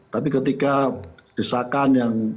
tapi ketika desakan yang